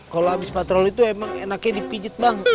kalau abis patrol itu emang enaknya dipijit bang